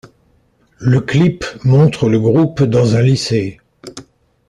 Le clip montre le groupe dans un lycée.